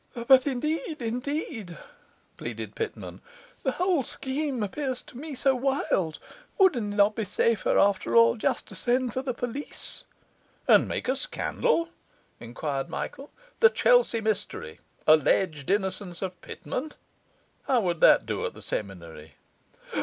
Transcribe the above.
'But indeed, indeed,' pleaded Pitman, 'the whole scheme appears to me so wild. Would it not be safer, after all, just to send for the police?' 'And make a scandal?' enquired Michael. '"The Chelsea Mystery; alleged innocence of Pitman"? How would that do at the Seminary?